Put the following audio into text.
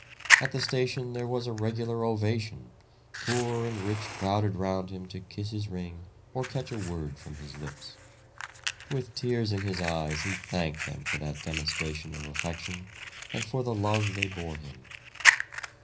At the station there was a regular ovation, poor and rich crowded round him to kiss his ring or catch a word from his lips. With tears in his eyes he thanked them for that demonstration of affection, and for the love they bore him.